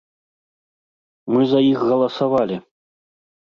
Мы за іх галасавалі.